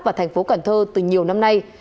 và thành phố cần thơ từ nhiều năm nay